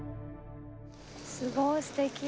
すごいすてき。